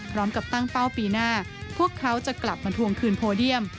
พร้อมกับตั้งเป้าปีหน้าพวกเขาจะกลับมาทวงคืนโพเดียม